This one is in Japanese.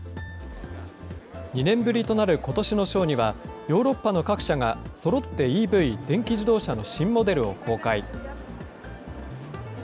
２年ぶりとなることしのショーには、ヨーロッパの各社がそろってＥＶ・電気自動車の新モデルを公開。